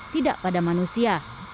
tidak pada manusia